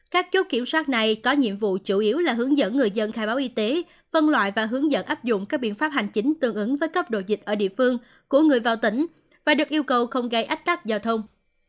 các chốt kiểm soát này có nhiệm vụ chủ yếu là hướng dẫn người dân khai báo y tế phân loại và hướng dẫn áp dụng các biện pháp hành chính tương ứng với cấp độ dịch ở địa phương của người vào tỉnh và được yêu cầu không gây ách tắc giao thông